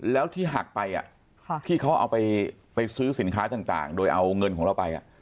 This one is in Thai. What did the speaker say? แล้วที่หักไปที่เขาเอาไปซื้อสินค้าต่างโดยเอาเงินของเราไป